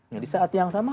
jadi saat yang sama